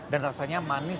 dan rasanya manis